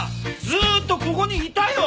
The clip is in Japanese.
ずーっとここにいたよ！